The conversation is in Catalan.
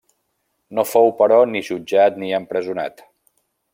No fou, però, ni jutjat ni empresonat.